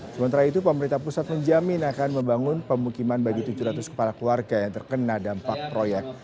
sementara itu pemerintah pusat menjamin akan membangun pemukiman bagi tujuh ratus kepala keluarga yang terkena dampak proyek